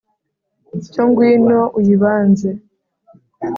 Cyo ngwino uyibanze